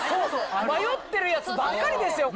迷ってるやつばっかりですよ！